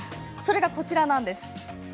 それが、こちらです。